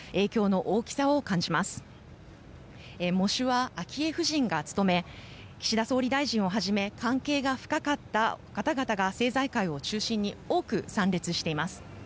喪主は昭恵夫人が務め岸田総理大臣をはじめ関係が深かった方々が政財界を中心に多く参列しています。